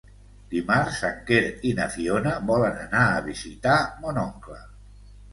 Dimarts en Quer i na Fiona volen anar a visitar mon oncle.